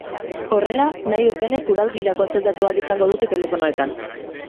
Horrela, nahi dutenek udal gida kontsultatu ahal izango dute telefonoetan.